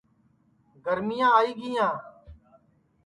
گرمِِیاں آئی گِیاں